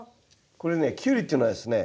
これねキュウリっていうのはですね